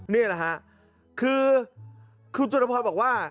นี่แหละค่ะคือคุณจตุภรณ์บอกว่า